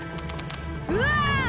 うわ！